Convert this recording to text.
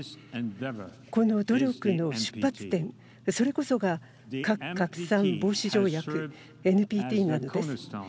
この努力の出発点、それこそが核拡散防止条約ＮＰＴなのです。